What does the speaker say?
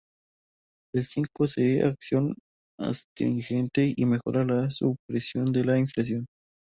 El zinc posee acción astringente y mejora la supresión de la inflamación.